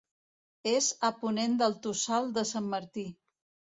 És a ponent del Tossal de Sant Martí.